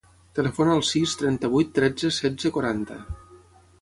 Telefona al sis, trenta-vuit, tretze, setze, quaranta.